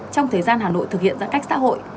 trong thời gian hà nội thực hiện giãn cách xã hội